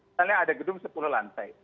misalnya ada gedung sepuluh lantai